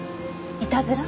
いたずら？